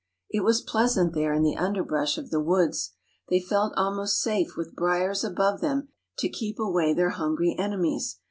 It was pleasant there in the underbrush of the woods. They felt almost safe with briers above them to keep away their hungry enemies.